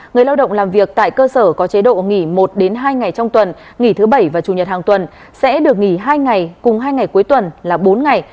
người lao động làm việc tại cơ sở có chế độ nghỉ một hai ngày trong tuần nghỉ thứ bảy và chủ nhật hàng tuần sẽ được nghỉ hai ngày cùng hai ngày cuối tuần là bốn ngày